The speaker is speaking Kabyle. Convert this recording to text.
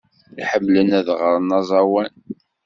Ḥemmlen ad ɣren aẓawan.